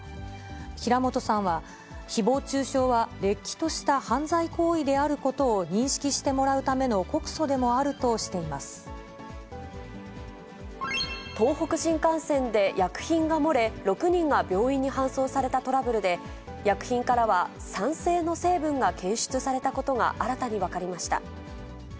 平本さんは、ひぼう中傷はれっきとした犯罪行為であることを認識してもらうた東北新幹線で薬品が漏れ、６人が病院に搬送されたトラブルで、薬品からは酸性の成分が検出されたことが新たに分かりました。